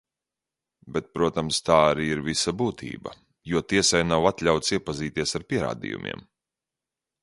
Bet, protams, tā arī ir visa būtība, jo tiesai nav atļauts iepazīties ar pierādījumiem.